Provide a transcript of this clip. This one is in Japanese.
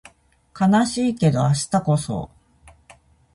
悲しいけど明日こそ